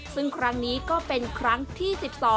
ซึ่งครั้งนี้ก็เป็นครั้งที่๑๒